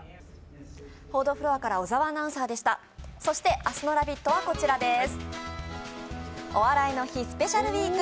そして、明日の「ラヴィット！」はこちらです。